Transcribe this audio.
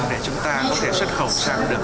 để chúng ta có thể xuất khẩu sang được